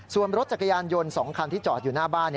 ส่วนรถจักรยานยนต์๒คันที่จอดอยู่หน้าบ้าน